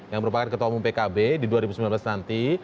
yang merupakan ketua umum pkb di dua ribu sembilan belas nanti